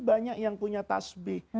banyak yang punya tasbih